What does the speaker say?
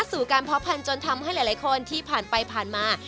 สู่การเพาะพันธนทำให้หลายคนที่ผ่านไปผ่านมา